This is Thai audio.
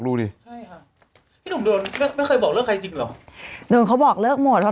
หลบไม่แล้วขนป่ะ